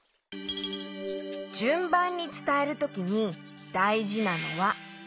じゅんばんにつたえるときにだいじなのはこれ。